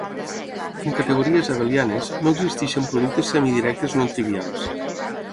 En categories abelianes, no existeixen productes semidirectes no trivials.